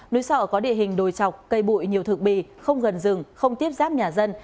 núi sọ có địa hình đồi chọc cây bụi nhiều thực bì không gần rừng không tiếp giáp nhà dân